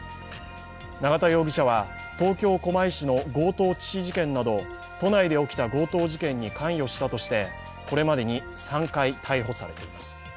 永田容疑者は、東京・狛江市の強盗致死事件など都内で起きた強盗事件に関与したとしてこれまでに３回逮捕されています。